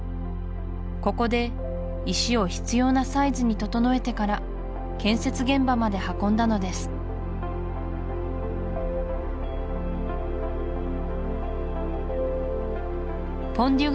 ここで石を必要なサイズにととのえてから建設現場まで運んだのですポン